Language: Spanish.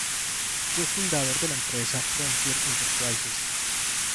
Fue fundador de la empresa Frontier Enterprises.